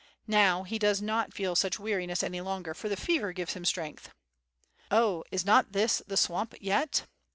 Now he does not feel such weariness any longer, for the fever gives him strength. "Oh, is not this the swamp yet!"